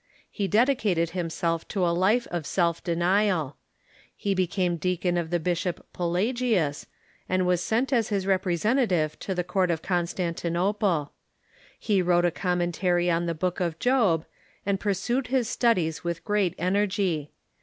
He dedicated himself to a life of self denial. He became deacon of the bishop Pelagius, and was sent as his representative to the court of Constantinople. He wrote a commentary on the Book of Job, and pursued his studies with great energy.